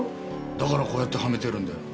だからこうやってはめてるんだよ。